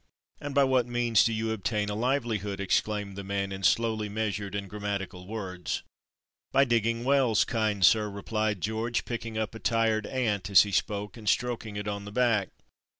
"And by what means do you obtain a livelihood?" exclaimed the man, in slowly measured and grammatical words. "By digging wells, kind sir," replied George, picking up a tired ant as he spoke and stroking it on the back.